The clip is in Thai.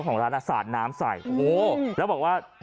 กลับมาพร้อมขอบความ